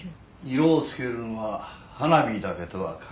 色をつけるのは花火だけとは限らないよ。